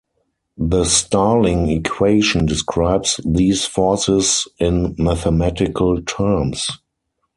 The Starling equation describes these forces in mathematical terms.